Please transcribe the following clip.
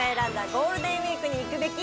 ゴールデンウィークに行くべき！